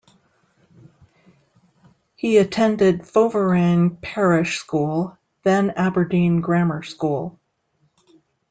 He attended Foveran Parish School then Aberdeen Grammar School.